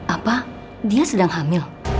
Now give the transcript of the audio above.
apa dia sedang hamil